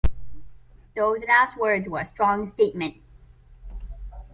Those last words were a strong statement.